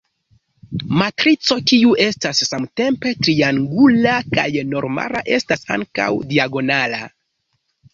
Matrico kiu estas samtempe triangula kaj normala, estas ankaŭ diagonala.